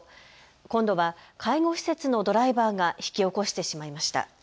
今度は介護施設のドライバーが引き起こしてしまいました。